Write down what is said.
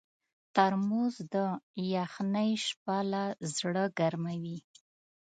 ترموز د یخنۍ شپه له زړه ګرمووي.